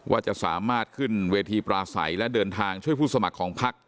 ว่าจะสามารถขึ้นเวทีปราศัยและเดินทางช่วยผู้สมัครของพัก